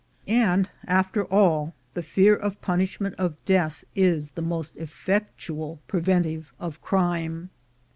And after all, the fear of punishment of death is the most effectual preventive of crime.